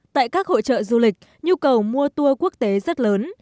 tại các hội trợ du lịch nhu cầu mua tour quốc tế rất lớn